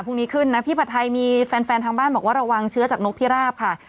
พรุ่งนี้ขึ้นนะพี่ผัดไทยมีแฟนทางบ้านบอกว่าระวังเชื้อจากนกพิราบค่ะ